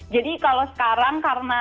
jadi kalau sekarang karena